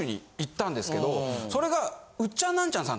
それが。